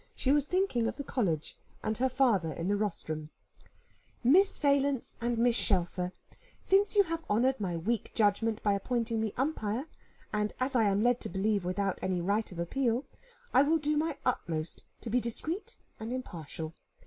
She was thinking of the College, and her father in the rostrum. "Miss Valence and Mrs. Shelfer, since you have honoured my weak judgment by appointing me umpire, and as I am led to believe without any right of appeal, I will do my utmost to be discreet and impartial.